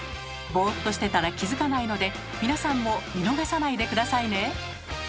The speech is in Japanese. ボーっとしてたら気付かないので皆さんも見逃さないで下さいね。